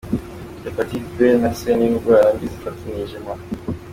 Hepatite B na C ni indwara mbi zifata umwijima.